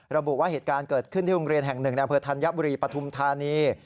ระบุว่าเหตุการณ์เกิดขึ้นที่โรงเรียนแห่งหนึ่งในอำเภอธัญบุรีปฐุมธานี